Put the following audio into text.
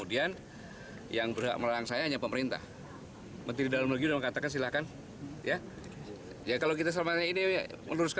film itu masih menjadi polemik